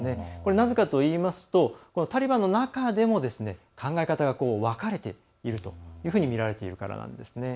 なぜかといいますとタリバンの中でも考え方が分かれているというふうにみられているからなんですね。